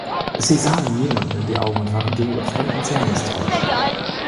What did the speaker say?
Sie sahen niemandem in die Augen und waren gegenüber Fremden sehr misstrauisch.